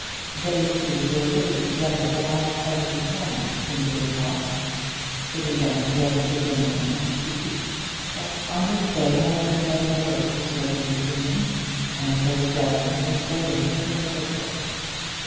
They two were living together without other companion in the big house, sitting down together to dinner and to tea; but on this day hardly a dozen words were spoken between them, and those dozen were spoken with no purport.